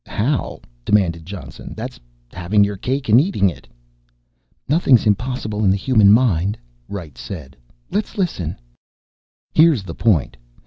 "How?" demanded Johnson. "That's having your cake and eating it." "Nothing's impossible in the human mind," Wright said. "Let's listen." "Here's the point.